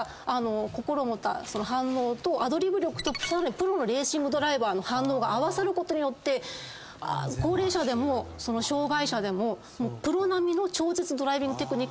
心を持ったその反応とアドリブ力とさらにプロのレーシングドライバーの反応が合わさることによって高齢者でも障害者でもプロ並みの超絶ドライビングテクニックは可能になるんですけども。